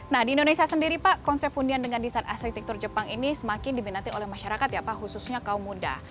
nah di indonesia sendiri pak konsep hunian dengan desain arsitektur jepang ini semakin diminati oleh masyarakat ya pak khususnya kaum muda